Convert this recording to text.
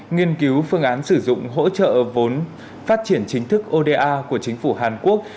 nghiên cứu phương án sử dụng hỗ trợ vốn phát triển chính thức oda của chính phủ hàn quốc